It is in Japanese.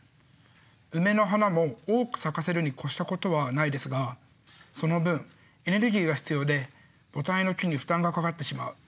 ウメの花も多く咲かせるにこしたことはないですがその分エネルギーが必要で母体の木に負担がかかってしまう。